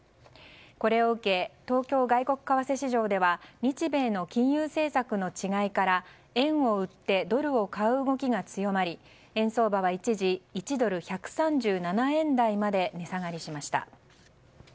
これを受け東京外国為替市場では日米の金融政策の違いから円を売ってドルを買う動きが強まり円相場は一時１ドル＝１３７円台まで値下がりしました。